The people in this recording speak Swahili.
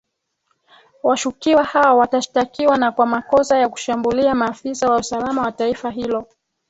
washukiwa hao watashtakiwa na kwa makosa ya kushambulia maafisa wa usalama wa taifa hilo